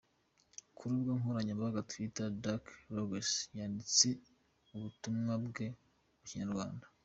Ku rubuga nkoranyambaga Twitter, Barks-Ruggles yanditse ubutumwa bwe mu Kinyarwanda.